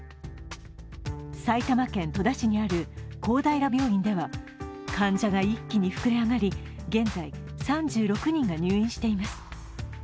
埼玉県戸田市にある公平病院では患者が一気に膨れ上がり現在３６人が入院しています。